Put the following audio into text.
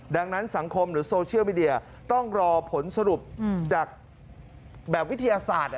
ดังนั้นสังคมหรือโซเชียลมีเดียต้องรอผลสรุปจากแบบวิทยาศาสตร์